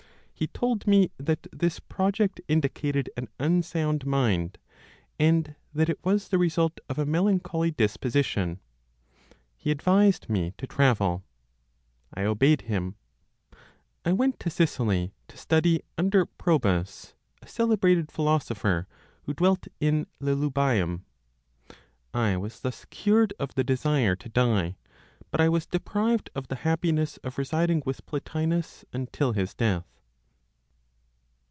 He told me that this project indicated an unsound mind, and that it was the result of a melancholy disposition. He advised me to travel. I obeyed him. I went to Sicily, to study under Probus, a celebrated philosopher, who dwelt in Lilybaeum. I was thus cured of the desire to die; but I was deprived of the happiness of residing with Plotinos until his death.